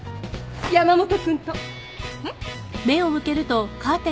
山本君と。えっ？